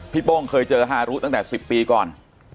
โป้งเคยเจอฮารุตั้งแต่๑๐ปีก่อน